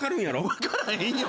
分からへんよ。